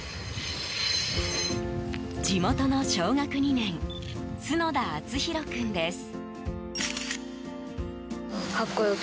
地元の小学２年角田淳紘君です。